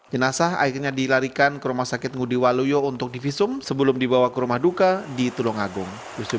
jenazah akhirnya dilarikan ke rumah sakit ngudi waluyo untuk divisum sebelum dibawa ke rumah duka di tulung agung